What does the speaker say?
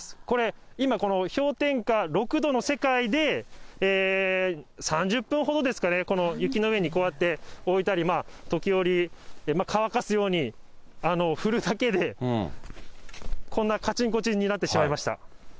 これ、今この氷点下６度の世界で、３０分ほどですかね、この雪の上にこうやって置いたり、時折、乾かすように振るだけで、こんなかちんこちんになってしまいました。